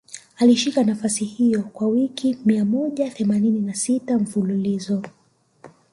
Alishika nafasi hiyo kwa wiki mia moja themanini na sita mfululizo